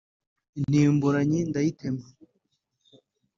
Intimburanyi ndayitema